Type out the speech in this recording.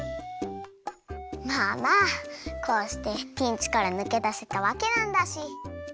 まあまあこうしてピンチからぬけだせたわけなんだし。